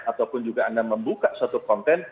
ataupun juga anda membuka suatu konten